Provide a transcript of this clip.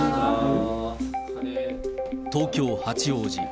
東京・八王子。